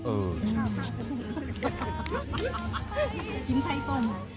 เออ